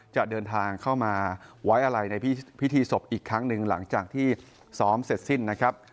จะเดินทางเข้ามาไว้อะไรในพิธีศพอีกครั้งหนึ่งหลังจากที่ซ้อมเสร็จสิ้นนะครับ